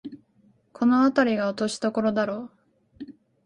このあたりが落としどころだろう